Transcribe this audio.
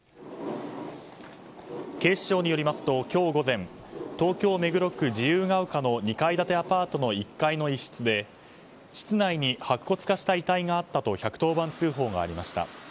警視庁によりますと今日午前東京・目黒区自由が丘の２階建てアパートの１階の一室で室内に白骨化した遺体があったと１１０番通報がありました。